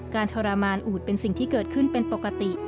ทรมานอูดเป็นสิ่งที่เกิดขึ้นเป็นปกติ